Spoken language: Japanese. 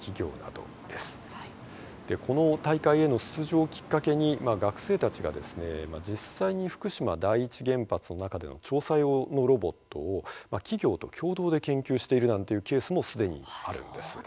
この大会への出場をきっかけに学生たちが実際に福島第一原発の中での調査用のロボットを企業と共同で研究しているなんていうケースも既にあるんです。